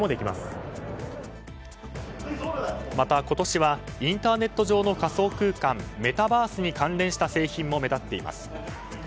また、今年はインターネット上の仮想空間メタバースに関連した製品も目立っています。